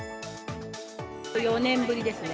４年ぶりですね。